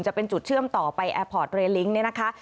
จะเป็นจุดเชื่อมต่อไปแอร์พอร์ตเรลิ้งเนี่ยนะคะ